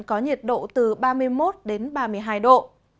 có nhiệt độ từ ba mươi một đến ba mươi hai độ